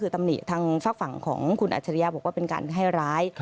คือตำหนิทางฝากฝั่งของคุณอัจฉริยะบอกว่าเป็นการให้ร้าย